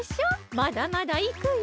まだまだいくよ！